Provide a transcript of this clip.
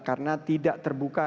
karena tidak terbuka